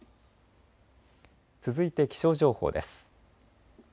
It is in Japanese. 続いて気象情報です。